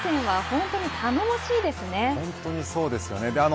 本当にそうですよね。